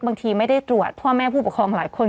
บางทีไม่ได้ตรวจพ่อแม่ผู้ปกครองหลายคน